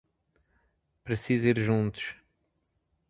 Precisa ir juntos